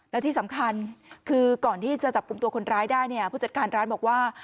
และที่สำคัญคือก่อนที่จะจับกลุ่มตัวคนร้ายได้เนี่ยผู้จัดการร้านบอกว่า